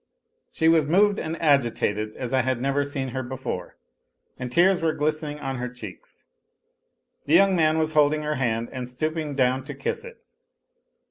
She was moved and agitated as I had never seen her before, and tears were glistening on her cheeks. The young man was holding her hand and stooping down to kiss it.